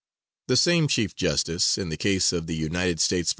The same Chief Justice, in the case of the United States vs.